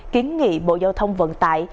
kiến nghị bộ giao thông vận tải